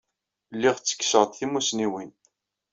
Lliɣ ttekkseɣ-d timussniwin.